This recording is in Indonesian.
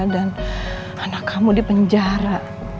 dan anak kamu di penjara